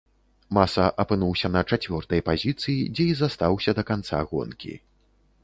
Маса апынуўся на чацвёртай пазіцыі, дзе і застаўся да канца гонкі.